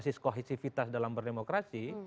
mengedepankan basis kohesifitas dalam berdemokrasi